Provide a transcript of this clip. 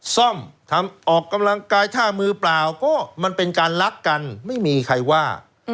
ซ่อมทำออกกำลังกายท่ามือเปล่าก็มันเป็นการรักกันไม่มีใครว่า